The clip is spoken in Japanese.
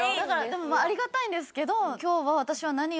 でもありがたいんですけど。